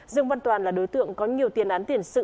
dương văn toàn là đối tượng có nhiều tiền án tiền sự